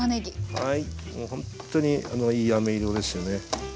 はいもうほんとにいいあめ色ですよね。